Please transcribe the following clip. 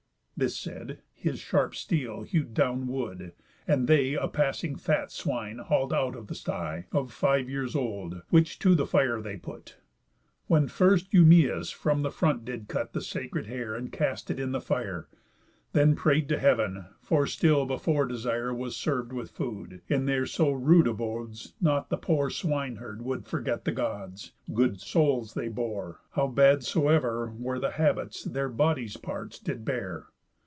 This said, his sharp steel hew'd down wood, and they A passing fat swine hal'd out of the sty, Of five years old, which to the fire they put. When first Eumæus from the front did cut The sacred hair, and cast it in the fire, Then pray'd to heav'n; for still before desire Was serv'd with food, in their so rude abodes, Not the poor swine herd would forget the Gods, Good souls they bore, how bad soever were The habits that their bodies' parts did bear.